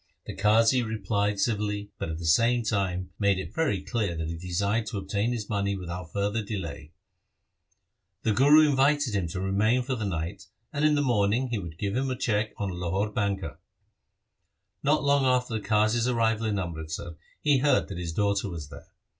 The Qazi replied civilly, but at the same time made it very clear that he desired to obtain his money without further delay. The Guru invited him to remain for the night, and in the morning he would give him a cheque on a Lahore banker. Not long after the Qazi's arrival in Amritsar he heard that his daughter was there.